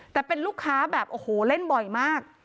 แต่เป็นลูกค้าแบบโอ้โหเล่นบ่อยมาก